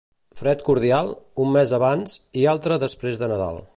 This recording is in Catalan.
Fred cordial, un mes abans i altre després de Nadal.